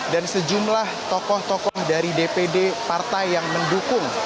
dan sejumlah tokoh tokoh dari dpd partai yang mendukung